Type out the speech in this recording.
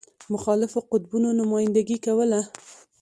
مخالفو قطبونو نمایندګي کوله.